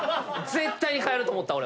絶対に変えると思った！